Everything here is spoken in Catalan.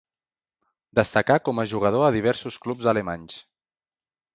Destacà com a jugador a diversos clubs alemanys.